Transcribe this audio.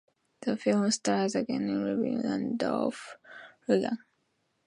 The film stars Keanu Reeves and Dolph Lundgren.